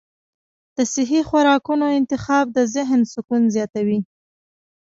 د صحي خوراکونو انتخاب د ذهن سکون زیاتوي.